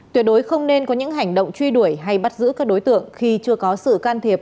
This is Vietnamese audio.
tuyệt đối không nên có những hành động truy đuổi hay bắt giữ các đối tượng khi chưa có sự can thiệp